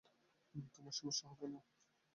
তোমার সমস্যা হবে না।